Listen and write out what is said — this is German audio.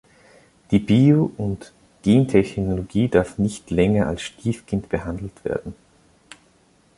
Die Bio- und Gentechnologie darf nicht länger als Stiefkind behandelt werden.